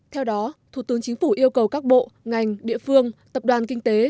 theo đó thủ tướng chính phủ yêu cầu các bộ ngành địa phương tập đoàn kinh tế